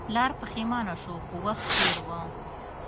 پلار پښیمانه شو خو وخت تیر و.